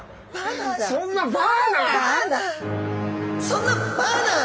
「そんなバーナー」？